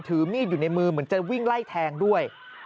ถือมีดอยู่ในมือเหมือนจะวิ่งไล่แทงด้วย